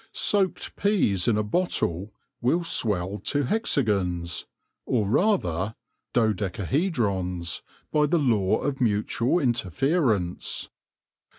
Soaked peas in a bottle will swell to hexagons, or rather, dodecahedrons, by the law of mutual interference.